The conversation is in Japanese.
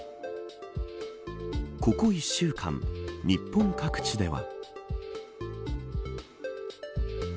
ここ１週間、日本各地では。